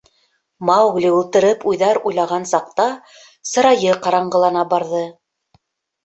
Маугли ултырып уйҙар уйлаған саҡта, сырайы ҡараңғылана барҙы.